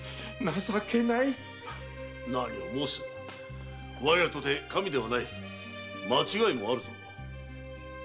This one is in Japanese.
何を申す我らとて神ではない間違いもあるぞ。